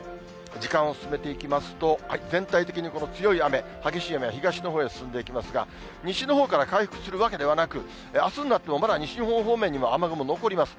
時間を進めていきますと、全体的に強い雨、激しい雨が東のほうへ進んでいきますが、西のほうから回復するわけではなく、あすになってもまだ、西日本方面には雨雲残ります。